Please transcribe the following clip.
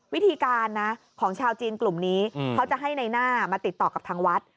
วิธีการนะของชาวจีนกลุ่มนี้เขาจะให้ในหน้ามาติดต่อกับทางวัด